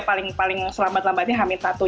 paling paling selambat lambatnya hamil satu